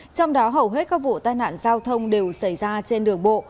trong đó hầu hết các vụ tai nạn giao thông đều xảy ra trên đường bộ